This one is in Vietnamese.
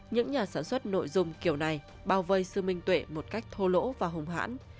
những nhà sản xuất nội dung kiểu này bao vây sự minh tuệ một cách thô lỗ và hùng hãn